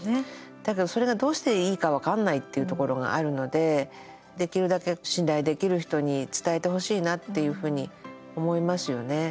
だけど、それがどうしていいか分かんないってところがあるのでできるだけ信頼できる人に伝えてほしいなって思いますよね。